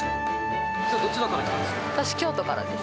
きょう、どちらから来たんで私、京都からです。